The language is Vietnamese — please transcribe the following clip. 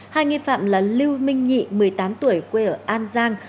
hai nghi phạm là lưu minh nhị một mươi tám tuổi quê ở an giang